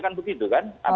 itu gitu kan